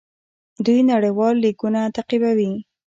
دوی نړیوال لیګونه تعقیبوي.